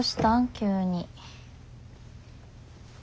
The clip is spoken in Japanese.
急に。